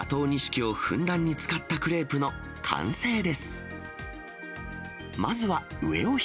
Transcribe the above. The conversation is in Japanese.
錦をふんだんに使ったクレープの完成です。